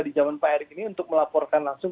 di zaman pak erick ini untuk melaporkan langsung